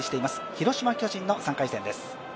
広島×巨人の３回戦です。